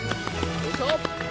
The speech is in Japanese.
よいしょ！